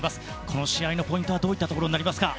この試合のポイントはどういったところですか。